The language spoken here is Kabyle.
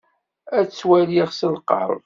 Ad t-waliɣ s lqerb.